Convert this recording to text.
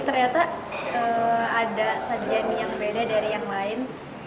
ternyata ada sajiannya yang beda dari yang lain